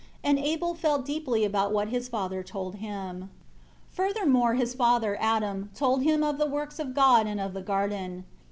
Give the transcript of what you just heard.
And Abel felt deeply about what his father told him. 6 Furthermore his father, Adam, told him of the works of God, and of the garden.